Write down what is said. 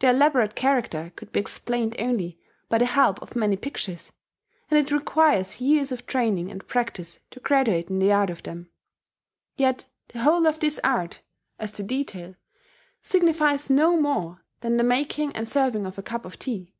Their elaborate character could be explained only by the help of many pictures; and it requires years of training and practice to graduate in the art of them. Yet the whole of this art, as to detail, signifies no more than the making and serving of a cup of tea.